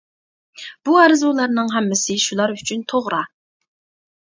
بۇ ئارزۇلارنىڭ ھەممىسى شۇلار ئۈچۈن توغرا.